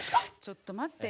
ちょっと待ってよ。